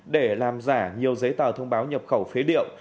để làm giả nhiều giấy tờ thông báo nhập khẩu phế liệu